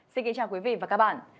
xin kính chào quý vị và các bạn